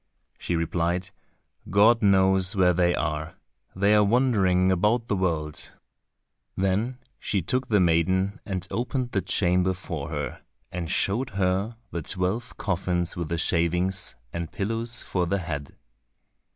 She replied, "God knows where they are, they are wandering about the world." Then she took the maiden and opened the chamber for her, and showed her the twelve coffins with the shavings, and pillows for the head.